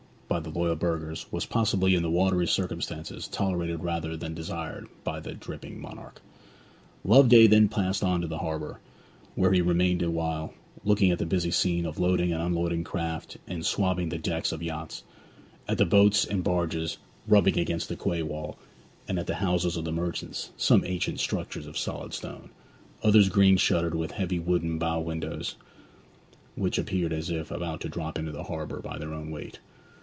by the loyal burghers, was possibly in the watery circumstances tolerated rather than desired by that dripping monarch. Loveday then passed on to the harbour, where he remained awhile, looking at the busy scene of loading and unloading craft and swabbing the decks of yachts; at the boats and barges rubbing against the quay wall, and at the houses of the merchants, some ancient structures of solid stone, others green shuttered with heavy wooden bow windows which appeared as if about to drop into the harbour by their own weight.